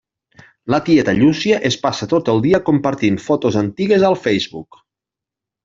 La tieta Llúcia es passa tot el dia compartint fotos antigues al Facebook.